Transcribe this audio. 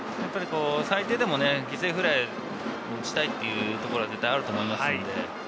最低でも犠牲フライ打ちたいというところで、絶対あると思うんで。